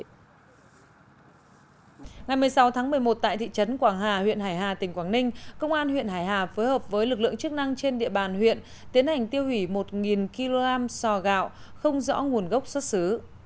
ngày một mươi sáu tháng một mươi một tại thị trấn quảng hà huyện hải hà tỉnh quảng ninh công an huyện hải hà phối hợp với lực lượng chức năng trên địa bàn huyện tiến hành tiêu hủy một kg sò gạo không rõ nguồn gốc xuất xứ